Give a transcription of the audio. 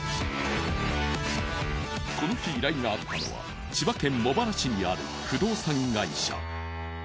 この日依頼があったのは千葉県茂原市にある不動産会社。